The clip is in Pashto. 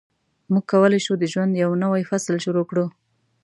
موږ کولای شو د ژوند یو نوی فصل شروع کړو.